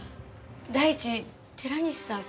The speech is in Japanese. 第一寺西さん